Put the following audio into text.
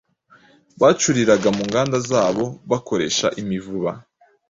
bacuriraga mu nganda zabo bakoresha imivuba.